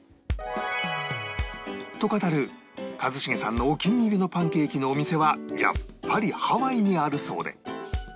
と語る一茂さんのお気に入りのパンケーキのお店はやっぱりハワイにあるそうで